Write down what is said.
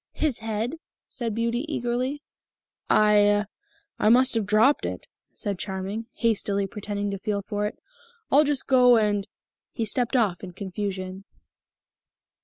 "His head?" said Beauty eagerly. "I I must have dropped it," said Charming, hastily pretending to feel for it. "I'll just go and " He stepped off in confusion.